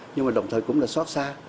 nhưng đồng thời cũng xót xa